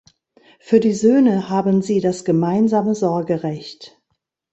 Für die Söhne haben sie das gemeinsame Sorgerecht.